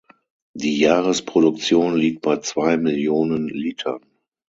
Die Jahresproduktion liegt bei zwei Millionen Litern.